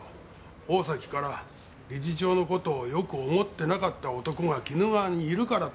大崎から理事長の事をよく思ってなかった男が鬼怒川にいるからと。